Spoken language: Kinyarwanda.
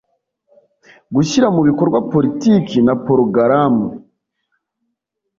Gushyira mu bikorwa politiki na porogaramu